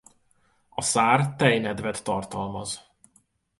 A szár tejnedvet tartalmaz.